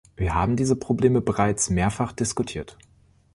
Wir haben diese Probleme bereits mehrfach diskutiert